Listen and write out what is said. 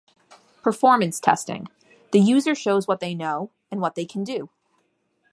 Performance testing - The user shows what they know and what they can do.